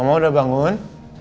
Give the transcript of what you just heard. mama udah bangun